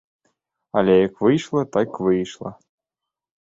Але як выйшла, так выйшла.